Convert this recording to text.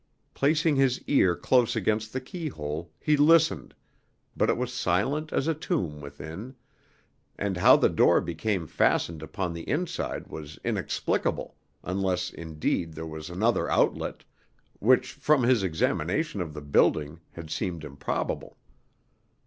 Placing his ear close against the keyhole, he listened, but it was silent as a tomb within; and how the door became fastened upon the inside was inexplicable, unless indeed there was another outlet, which from his examination of the building had seemed improbable.